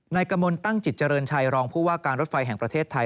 กระมวลตั้งจิตเจริญชัยรองผู้ว่าการรถไฟแห่งประเทศไทย